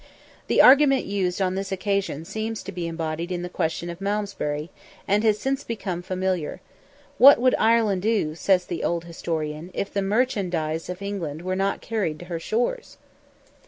The argument used on this occasion seems to be embodied in the question of Malmsbury—and has since become familiar—"What would Ireland do," says the old historian, "if the merchandize of England were not carried to her shores?"